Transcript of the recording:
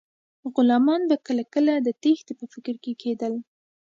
غلامان به کله کله د تیښتې په فکر کې کیدل.